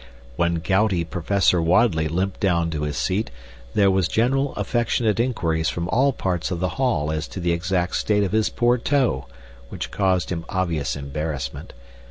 When gouty Professor Wadley limped down to his seat there were general affectionate inquiries from all parts of the hall as to the exact state of his poor toe, which caused him obvious embarrassment.